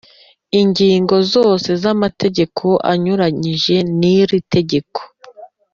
Ingingo zose z amategeko anyuranyije n iri tegeko